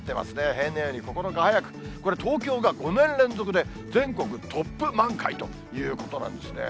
平年より９日早く、これ、東京が５年連続で全国トップ満開ということなんですね。